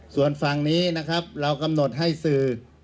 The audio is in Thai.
ส่วนฝั่งนี้นะครับเรากำหนดให้สื่อ